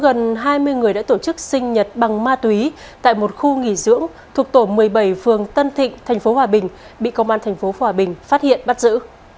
gần hai mươi người đã tổ chức sinh nhật bằng ma túy tại một khu nghỉ dưỡng thuộc tổ một mươi bảy phường tân thịnh tp hòa bình bị công an tp hòa bình phát hiện bắt giữ